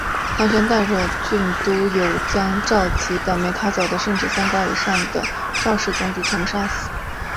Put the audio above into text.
唐玹带着郡督邮将赵岐等没逃走的身高三尺以上的赵氏宗族全部杀死。